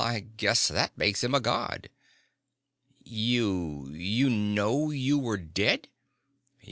I guess that makes him a god." "You you know you were dead?"